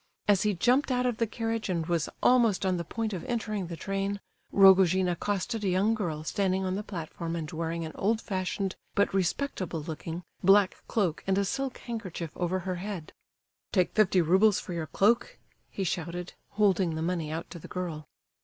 As he jumped out of the carriage and was almost on the point of entering the train, Rogojin accosted a young girl standing on the platform and wearing an old fashioned, but respectable looking, black cloak and a silk handkerchief over her head. "Take fifty roubles for your cloak?" he shouted, holding the money out to the girl.